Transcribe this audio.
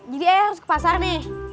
jadi ayah harus ke pasar nih